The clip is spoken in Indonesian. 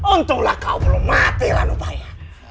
untunglah kau belum mati lanutnya